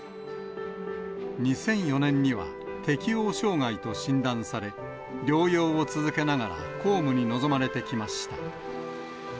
２００４年には適応障害と診断され、療養を続けながら、公務に臨まれてきました。